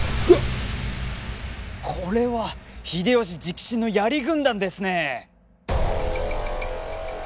これは秀吉直臣の槍軍団ですね！